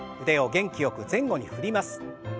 腕を元気よく前後に振ります。